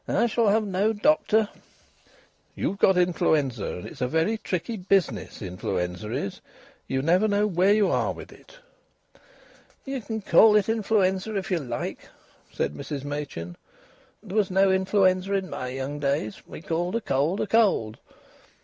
"I shall have no doctor." "You've got influenza, and it's a very tricky business influenza is; you never know where you are with it." "Ye can call it influenza if ye like," said Mrs Machin. "There was no influenza in my young days. We called a cold a cold."